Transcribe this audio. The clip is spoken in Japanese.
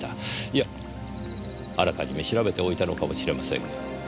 いやあらかじめ調べておいたのかもしれませんが。